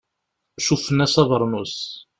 Cuffen-as abeṛnus.